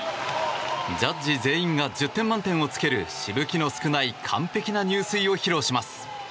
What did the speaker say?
ジャッジ全員が１０点満点をつけるしぶきの少ない完璧な入水を披露します。